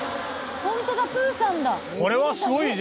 ホントだ『プーさん』だ。